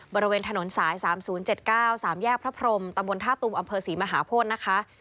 บริเวณถนนสาย๓๐๗๙๓แยกพระพรมตำบลท่าตุมอำเภอศรีมหาโพธินะคะ